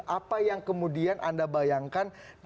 apa yang kemudian anda bayangkan